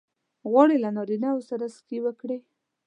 غواړې له نارینه وو سره سکی وکړې؟